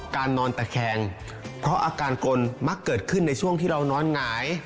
นอนตะแคงเพราะอาการกลมักเกิดขึ้นในช่วงที่เรานอนหงาย